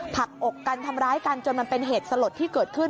ผักอกกันทำร้ายกันจนมันเป็นเหตุสลดที่เกิดขึ้น